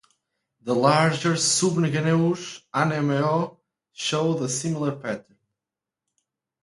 The larger subgenus "Anemone" showed a similar pattern.